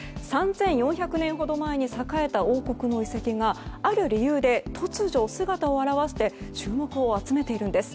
３４００年ほど前に栄えた王国の遺跡がある理由で突如、姿を現して注目を集めているんです。